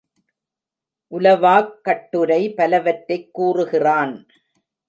உலவாக் கட்டுரை பலவற்றைக் கூறுகிறான்.